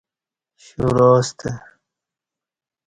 شُراستہ